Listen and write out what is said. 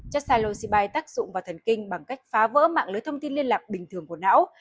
chất xa lô si bai tác dụng vào thần kinh bằng cách phá vỡ mạng lưới thông tin liên lạc bình thường của não